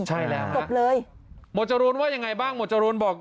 ใช่แล้วจบเลยหมวดจรูนว่ายังไงบ้างหวดจรูนบอก